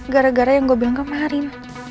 gara gara yang gue bilang kemarin